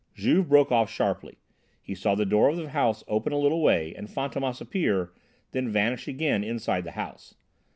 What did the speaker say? Juve broke off sharply. He saw the door of the house open a little way and Fantômas appear, then vanish again inside the house.